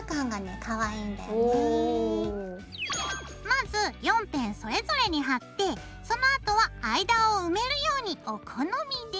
まず４辺それぞれに貼ってそのあとは間を埋めるようにお好みで。